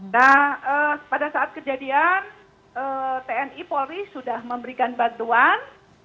nah pada saat kejadian tni polri sudah memberikan bantuan